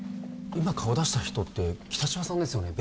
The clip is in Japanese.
今顔出した人って北芝さんですよね